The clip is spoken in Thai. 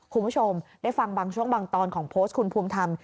คุณผู้ชมได้ฟังบางช่วงบางตอนของโพสต์คุณภูมิธรรม